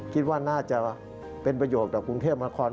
คิดว่าน่าจะเป็นประโยชน์ต่อกรุงเทพนคร